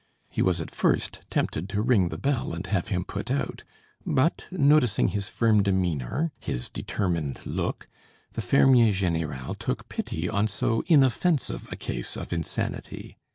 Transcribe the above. He was at first tempted to ring the bell and have him put out; but, noticing his firm demeanor, his determined look, the fermier général took pity on so inoffensive a case of insanity.